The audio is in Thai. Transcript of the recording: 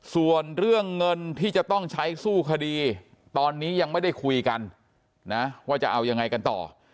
ส่วนเรื่องเงินที่จะต้องใช้สู้คดีตอนนี้ยังไม่ได้คุยกันนะว่าจะเอายังไงกันต่อ